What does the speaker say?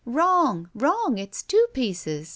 " ''Wrong! Wrong! It's two pieces.